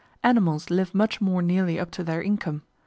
Animals live much more nearly up to their income.